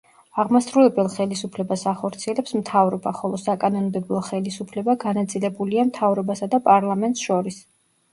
აღმასრულებელ ხელისუფლებას ახორციელებს მთავრობა, ხოლო საკანონმდებლო ხელისუფლება განაწილებულია მთავრობასა და პარლამენტს შორის.